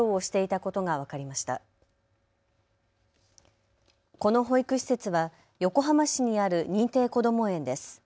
この保育施設は横浜市にある認定こども園です。